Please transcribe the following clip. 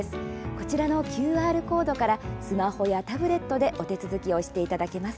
こちらのＱＲコードからスマホやタブレットでお手続きをしていただけます。